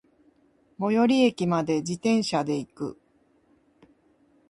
最寄駅まで、自転車で行く。